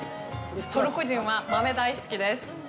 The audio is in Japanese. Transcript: トルコ人は豆大好きです。